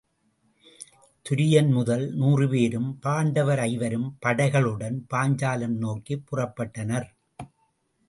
துரியன்முதல் நூறு பேரும் பாண்டவர் ஐவரும் படைகளுடன் பாஞ்சாலம் நோக்கிப் புறப்பட்டனர்.